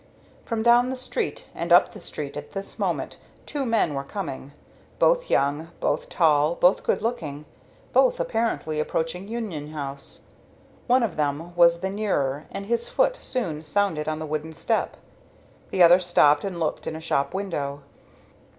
From down the street and up the street at this moment, two men were coming; both young, both tall, both good looking, both apparently approaching Union House. One of them was the nearer, and his foot soon sounded on the wooden step. The other stopped and looked in a shop window.